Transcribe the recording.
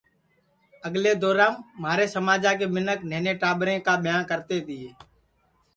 پہلکے دورام مھارے سماجا کے منکھ نہنے ٹاٻریں کا ٻیاں کرتے تیے